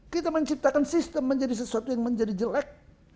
kita menciptakan sistem menjadi sesuatu yang menjadi jelek